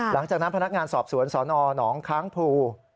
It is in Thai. หลังจากนั้นพนักงานสอบสวนสนหนองค้างภู